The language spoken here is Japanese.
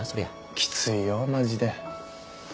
きついよマジで。